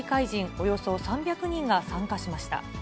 およそ３００人が参加しました。